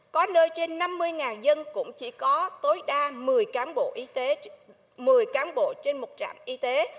có nơi trên năm mươi dân cũng chỉ có tối đa một mươi cán bộ trên một trạm y tế